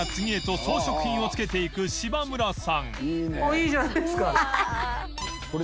いいじゃないですか